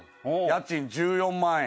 家賃１４万円。